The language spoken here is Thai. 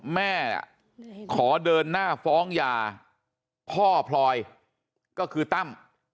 แม่ขอเดินหน้าฟ้องยาพ่อพลอยก็คือตั้ม